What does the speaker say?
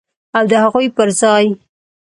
او د هغوی پر ځای